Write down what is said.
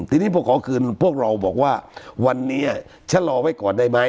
ทีนี้พอขอคืนพวกเราบอกว่าวันนี้ชะลอไว้ก่อนได้ไหม